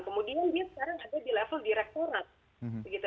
kemudian dia sekarang ada di level direktorat